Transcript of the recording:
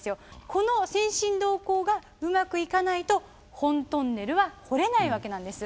この先進導坑がうまくいかないと本トンネルは掘れないわけなんです。